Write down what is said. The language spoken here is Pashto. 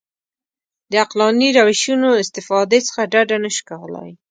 د عقلاني روشونو استفادې څخه ډډه نه شو کولای.